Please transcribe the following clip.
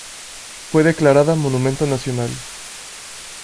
Fue declarada Monumento Nacional.